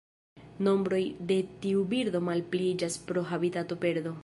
Nombroj de tiu birdo malpliiĝas pro habitatoperdo.